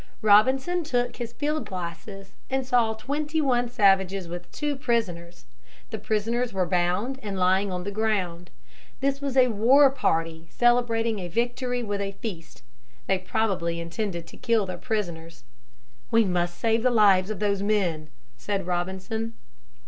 Robinson took his field glasses and saw twenty one savages with two prisoners. The prisoners were bound and lying on the ground. This was a war party celebrating a victory with a feast. They probably intended to kill their prisoners. "We must save the lives of those men," said Robinson.